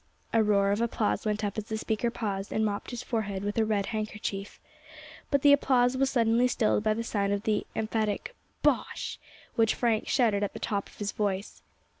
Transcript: A roar of applause went up as the speaker paused and mopped his forehead with a red handkerchief. But the applause was suddenly stilled by the sound of the emphatic "Bosh!" which Frank shouted at the top of his voice.